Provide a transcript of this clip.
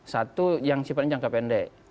satu yang sifatnya jangka pendek